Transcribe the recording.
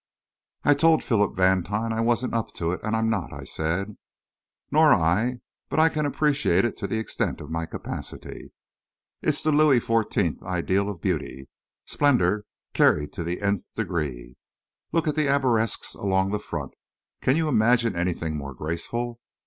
"I told Philip Vantine I wasn't up to it, and I'm not," I said. "Nor I, but I can appreciate it to the extent of my capacity. It's the Louis Fourteenth ideal of beauty splendour carried to the nth degree. Look at the arabesques along the front can you imagine anything more graceful?